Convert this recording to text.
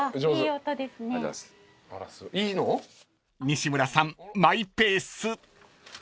［西村さんマイペース］